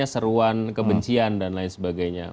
seruan kebencian dan lain sebagainya